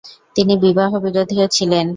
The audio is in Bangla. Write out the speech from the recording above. তিনি বিবাহ বিরোধীও ছিলেন।